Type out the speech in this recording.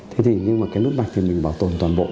thế thì nhưng mà cái nút mạch thì mình bảo tồn toàn bộ